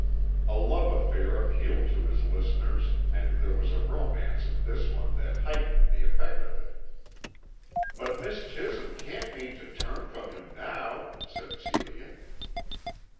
A love affair appealed to his listeners, and there was a romance in this one that heightened the effect of it. "But Miss Chisholm can't mean to turn from him now," said Celia.